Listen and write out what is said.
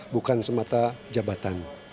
bukan semata jabatan